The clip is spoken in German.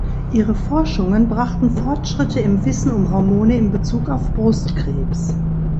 Ihre Forschungen brachten Fortschritte im Wissen um Hormone im Bezug auf Brustkrebs.